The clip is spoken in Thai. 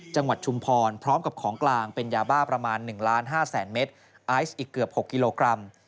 ชุมพรพร้อมกับของกลางเป็นยาบ้าประมาณ๑ล้าน๕แสนเมตรไอซ์อีกเกือบ๖กิโลกรัม